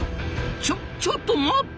ちょちょっと待った！